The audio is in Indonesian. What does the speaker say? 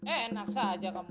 eh enak saja kamu